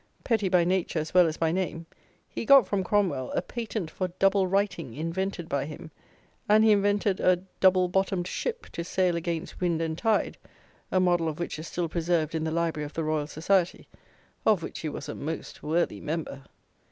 Petty by nature as well as by name, he got, from Cromwell, a "patent for double writing, invented by him;" and he invented a "double bottomed ship to sail against wind and tide, a model of which is still preserved in the library of the Royal Society," of which he was a most worthy member.